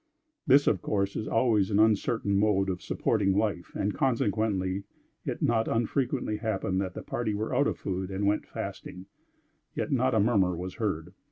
This, of course, is always an uncertain mode of supporting life, and, consequently, it not unfrequently happened, that the party were out of food and went fasting; yet, not a murmur was heard.